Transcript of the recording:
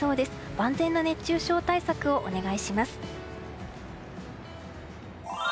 万全な熱中症対策をお願いします。